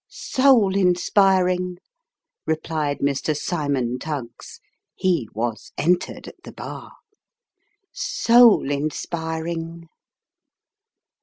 " Soul inspiring," replied Mr. Cymon Tuggs he was entered at the bar. " Soul inspiring